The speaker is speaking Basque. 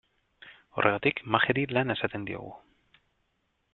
Horregatik, magiari lana esaten diogu.